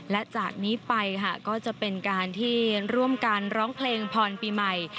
และจากนี้ไปค่ะก็จะเป็นการที่ร่วมกันร้องเพลงพรปีใหม่